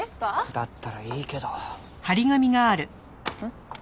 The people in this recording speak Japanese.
だったらいいけど。ん？